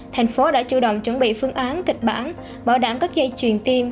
thành phố đã chủ động chuẩn bị phương án kịch bản bảo đảm các dây truyền tiêm